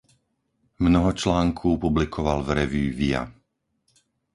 Mnoho článků publikoval v revue "Via".